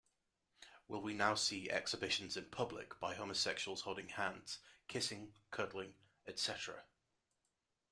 Will we now see exhibitions in public by homosexuals holding hands, kissing, cuddling, etc?